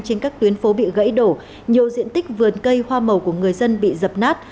trên các tuyến phố bị gãy đổ nhiều diện tích vườn cây hoa màu của người dân bị dập nát